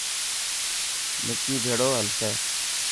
نڪي ڀيڙو هلسي.